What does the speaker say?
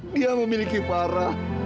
dia memiliki farah